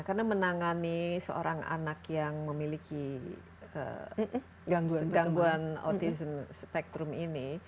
karena menangani seorang anak yang memiliki gangguan autism spectrum ini